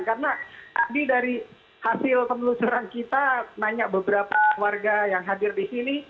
karena tadi dari hasil penelusuran kita nanya beberapa warga yang hadir di sini